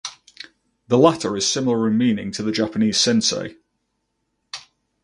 The latter is similar in meaning to the Japanese "sensei".